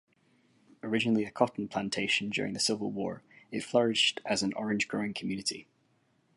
Originally a cotton plantation during the Civil War, it flourished as an orange-growing community.